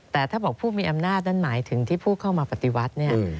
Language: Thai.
แต่ถ้าบอกผู้มีอำนาจนั่นหมายถึงที่ผู้เข้ามาปฏิวัติเนี่ย